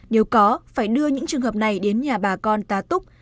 nếu có phải đưa những trường hợp này đến nhà bà con tà túc